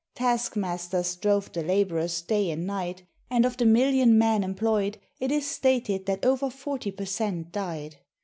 Task masters drove the laborers day and night, and of the million men employed it is stated that over forty per cent died.